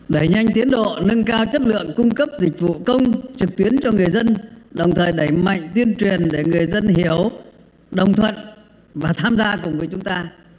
đẩy nhanh tiến độ nâng cao chất lượng cung cấp dịch vụ công trực tuyến cho người dân đồng thời đẩy mạnh tuyên truyền để người dân hiểu đồng thuận và tham gia cùng với chúng ta